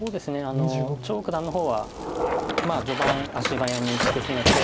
張栩九段の方は序盤足早に打ち進めて。